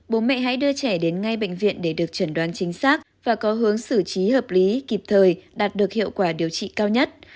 bố mẹ hãy đưa trẻ đến ngay bệnh viện để được chẩn đoán chính xác và có hướng xử trí hợp lý kịp thời đạt được hiệu quả điều trị cao nhất